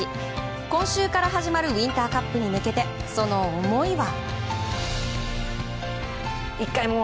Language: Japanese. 今週から始まるウインターカップに向けてその思いは。